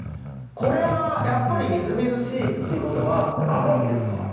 これはやっぱり瑞々しいってことは甘いんですか？